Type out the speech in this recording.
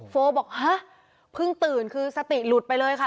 โบบอกฮะเพิ่งตื่นคือสติหลุดไปเลยค่ะ